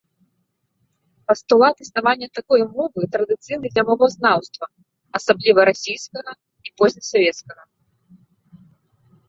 Пастулат існавання такой мовы традыцыйны для мовазнаўства, асабліва расійскага і позне-савецкага.